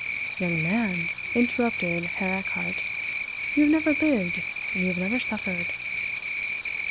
"Young man," interrupted Herr Erchardt, "you have never lived and you have never suffered!"